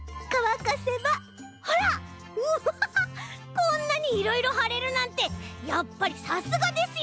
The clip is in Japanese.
こんなにいろいろはれるなんてやっぱりさすがですよ